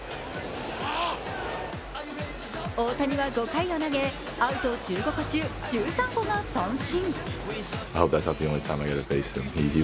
大谷は５回を投げ、アウト１５個中、１３個が三振。